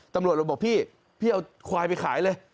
ตำรวจเลยบอกพี่พี่เอาควายไปขายเลย